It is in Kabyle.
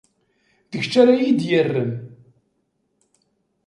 D kečč ara iyi-d-irren.